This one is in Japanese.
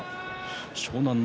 湘南乃